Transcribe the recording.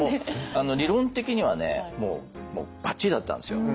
理論的にはもうバッチリだったんですよ。